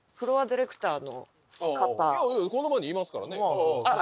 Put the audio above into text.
この場にいますからね。